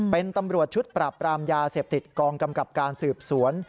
เป็นตำรวจชุดปราบปรามยาเสพติดกองกำกับการสืบสวน